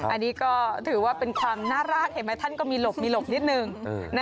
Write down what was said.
อันนี้ก็ถือว่าเป็นความน่ารักเห็นไหมท่านก็มีหลบมีหลบนิดนึง